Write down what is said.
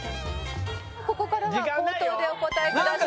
ここからは口頭でお答えください。